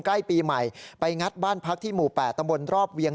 ใกล้ปีใหม่ไปงัดบ้านพักที่หมู่๘ตำบลรอบเวียง